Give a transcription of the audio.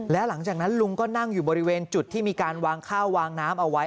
แล้วหลังจากนั้นลุงก็นั่งอยู่บริเวณจุดที่มีการวางข้าววางน้ำเอาไว้